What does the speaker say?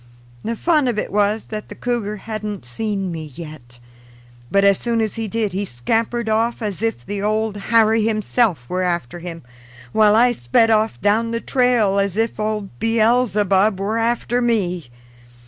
The fun of it was that the cougar hadn't seen me yet, but as soon as he did he scampered off as if the Old Harry himself were after him, while I sped off down the trail as if old Beelzebub were after me.